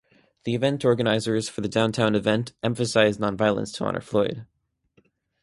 The event organizers for the downtown event emphasized nonviolence to honor Floyd.